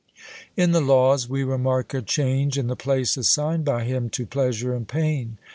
In the Laws, we remark a change in the place assigned by him to pleasure and pain.